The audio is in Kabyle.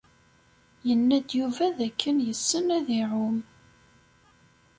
Yenna-d Yuba dakken yessen ad iɛum.